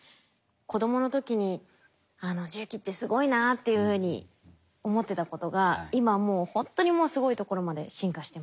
子供の時に「重機ってすごいな」っていうふうに思ってたことが今もうほんとにすごいところまで進化してますね。